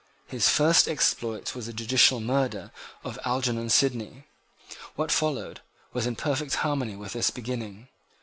His first exploit was the judicial murder of Algernon Sidney. What followed was in perfect harmony with this beginning.